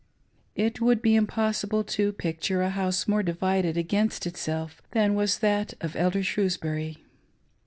It would be impossible to picture a house more divided against itself than was that of Elder Shrewsbury.